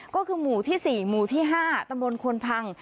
ก็คือหมู่ที่๔หมู่ที่๕ตำบลควนพัง